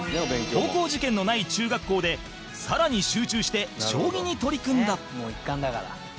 高校受験のない中学校で更に集中して将棋に取り組んだ柴田：一貫だから。